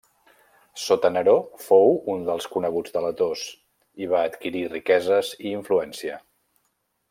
Sota Neró fou un dels coneguts delators i va adquirir riqueses i influencia.